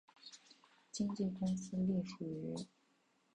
经纪公司隶属于。